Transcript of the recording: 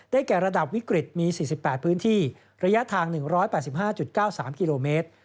แก่ระดับวิกฤตมี๔๘พื้นที่ระยะทาง๑๘๕๙๓กิโลเมตร